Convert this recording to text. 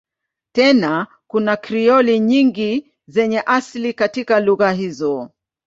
Tena kuna Krioli nyingi zenye asili katika lugha hizo.